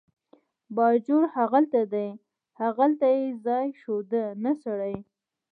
باجوړ هغلته دی، هغلته یې ځای ښوده، نه سړی.